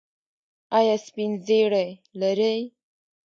ایا سپین زیړی لرئ؟